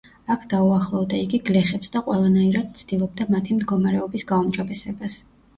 აქ დაუახლოვდა იგი გლეხებს და ყველანაირად ცდილობდა მათი მდგომარეობის გაუმჯობესებას.